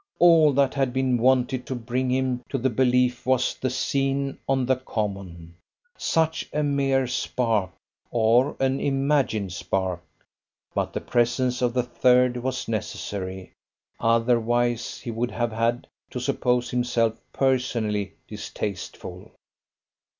All that had been wanted to bring him to the belief was the scene on the common; such a mere spark, or an imagined spark! But the presence of the Third was necessary; otherwise he would have had to suppose himself personally distasteful.